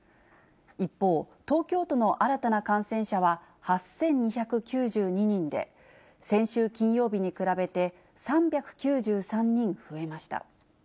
一方、東京都の新たな感染者は８２９２人で、先週金曜日に比べて３９３人増えました。